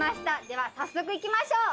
では早速いきましょう。